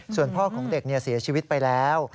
ส่วนพ่อของเด็กเสียชีวิตไปแล้ว